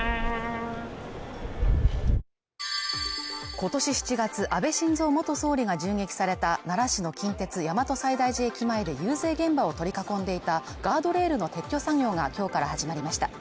今年７月安倍晋三元総理が銃撃された奈良市の近鉄大和西大寺駅前で遊説現場を取り囲んでいたガードレールの撤去作業がきょうから始まりました